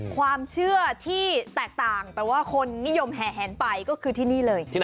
ความเชื่อที่แตกต่างแต่ว่าคนนิยมแห่แหนไปก็คือที่นี่เลย